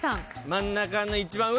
真ん中の一番上。